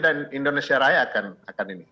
dan indonesia raya akan ini